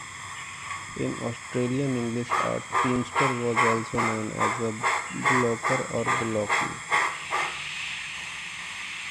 In Australian English, a teamster was also known as a bullocker or bullocky.